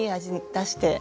出して。